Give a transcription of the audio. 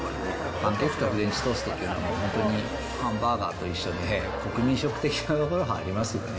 パンケーキとフレンチトーストっていうのは、本当にハンバーガーと一緒で、国民食的なところはありますよね。